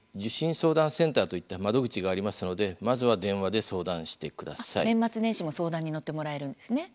・相談センターといった窓口がありますので年末年始も相談に乗ってもらえるんですね。